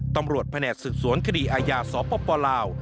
ตำรวจแผนตสืบสวนคดีอ่ายาศปลาว